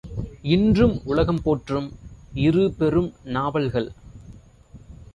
இன்றும் உலகம் போற்றும் இரு பெரும் நாவல்கள்!